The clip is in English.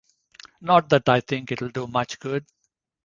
Not that I think it will do much good.